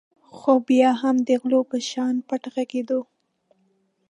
خو بیا هم د غلو په شانې پټ غږېدو.